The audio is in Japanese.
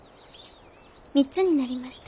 ３つになりました。